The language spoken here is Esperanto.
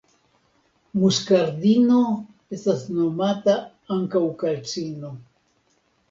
Muskardino estas nomata ankaŭ kalcino.